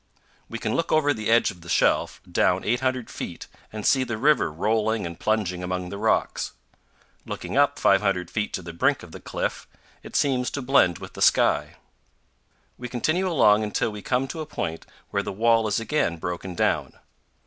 We can look over the edge of the shelf, down 800 feet, and see the river rolling and plunging among the rocks. Looking up 500 feet to the brink of the cliff, it seems to blend with the sky. We continue along until we come to a point where the wall is again broken down.